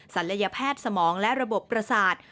ศัลยแพทย์สมองและระบบประสาท